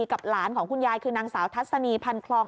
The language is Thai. กับหลานของคุณยายคือนางสาวทัศนีพันคลอง